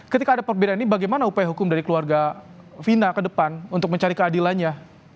ketika ada perbedaan ini bagaimana upaya hukum dari keluarga fina ke depan untuk mencari keadilannya